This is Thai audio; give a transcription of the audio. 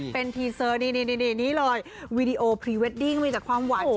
เป็นทีเซอร์นี่เลยวีดีโอพรีเวดดิ้งมีแต่ความหวาน